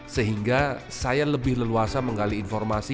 sehingga saya lebih leluasa menggali informasi